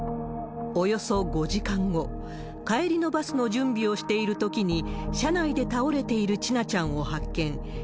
およそ５時間後、帰りのバスの準備をしているときに、車内で倒れている千奈ちゃんを発見。